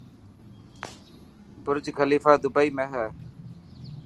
برجخليفا دبئي ۾ هي.